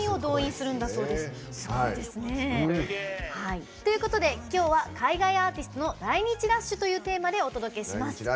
すごいですね。ということできょうは海外アーティストの来日ラッシュというテーマでお届けします。